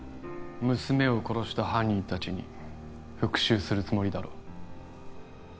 娘を殺した犯人達に復讐するつもりだろう